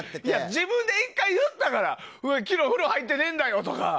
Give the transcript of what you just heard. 自分で１回言ったから昨日風呂入ってねえんだよとか。